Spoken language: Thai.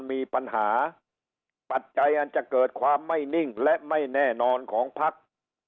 มีปัญหาปัจจัยอันจะเกิดความไม่นิ่งและไม่แน่นอนของพัก